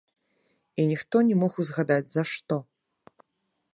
І ніхто не мог узгадаць, за што.